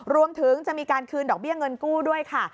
รวมถึงจะมีการคืนดอกเบี้ยเงินกู้ด้วยค่ะ